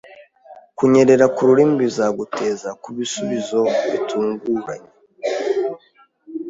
Kunyerera kururimi bizatugeza kubisubizo bitunguranye.